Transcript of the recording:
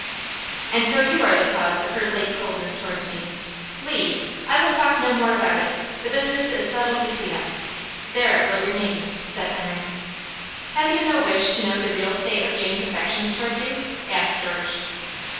"And so you are the cause of her late coldness towards me. Leave! I will talk no more about it; the business is settled between us; there it will remain," said Henry. "Have you no wish to know the real state of Jane's affections towards you?" asked George.